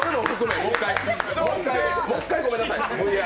もう一回ごめんなさい、ＶＡＲ。